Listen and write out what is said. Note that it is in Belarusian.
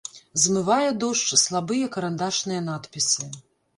Змывае дождж слабыя карандашныя надпісы.